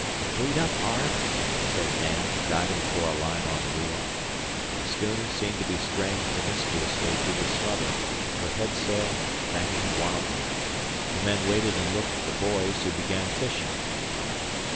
"Bait up, Harve," said Dan, diving for a line on the reel. The schooner seemed to be straying promiscuously through the smother, her headsail banging wildly. The men waited and looked at the boys who began fishing.